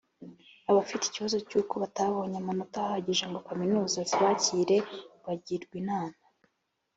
abafite ikibazo cy uko batabonye amanota ahagije ngo kaminuza zibakire bagirwa inama